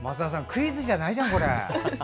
クイズじゃないじゃん。